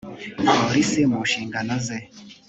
polisi mu nshingano ze